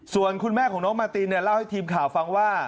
ส่วนคุณแม่ของน้องมาตินเนี่ยเล่าให้ทีมข่าวฟังว่า